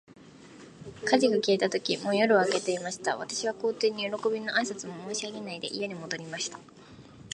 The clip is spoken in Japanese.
火事が消えたとき、もう夜は明けていました。私は皇帝に、よろこびの挨拶も申し上げないで、家に戻りました。